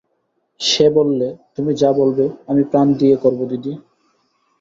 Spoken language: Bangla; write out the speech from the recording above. সে বললে, তুমি যা বলবে আমি প্রাণ দিয়ে করব দিদি।